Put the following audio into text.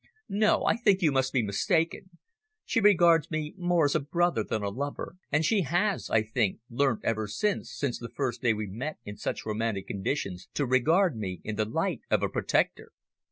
"No, I think you must be mistaken. She regards me more as a brother than a lover, and she has, I think, learnt ever since the first day we met in such romantic conditions, to regard me in the light of a protector.